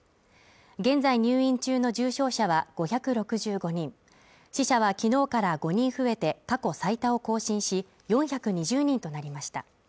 現在入院中の重症者は５６５人、死者は昨日から５人増えて過去最多を更新し、４２０人となりました。